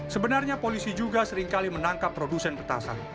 sebenarnya polisi juga seringkali menangkap produsen petasan